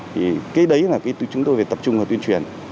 thì cái đấy là cái chúng tôi phải tập trung vào tuyên truyền